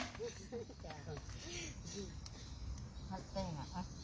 ขอรับ